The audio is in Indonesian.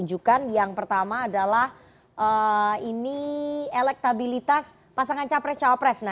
selamat malam rifana